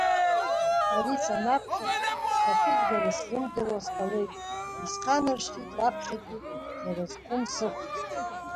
Ари санаԥхьа, схы ахьызгара сзымдыруа сҟалеит, исханаршҭит раԥхьатәи ӷьара зқәым сыхәра.